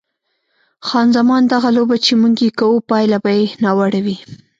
خان زمان: دغه لوبه چې موږ یې کوو پایله به یې ناوړه وي.